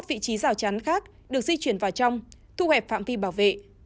hai mươi một vị trí rào chắn khác được di chuyển vào trong thu hẹp phạm vi bảo vệ